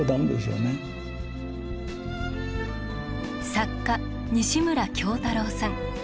作家西村京太郎さん。